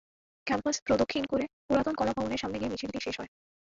Campus প্রদক্ষিণ করে পুরাতন কলা ভবনের সামনে গিয়ে মিছিলটি শেষ হয়।